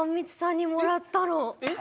えっ！？